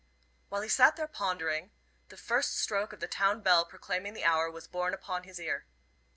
While he sat there pondering, the first stroke of the town bell proclaiming the hour was borne upon his ear.